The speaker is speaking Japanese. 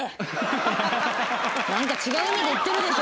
何か違う意味で言ってるでしょ